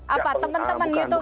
apa teman teman youtuber